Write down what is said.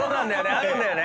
あるんだよね。